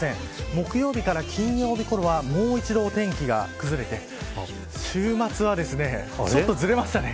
木曜日から金曜日ごろはもう一度、お天気が崩れて週末はちょっとずれましたね。